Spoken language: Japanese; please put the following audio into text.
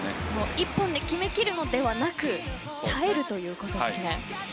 １本で決め切るのではなく耐えるということですね。